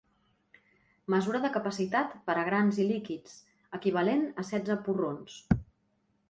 Mesura de capacitat per a grans i líquids, equivalent a setze porrons.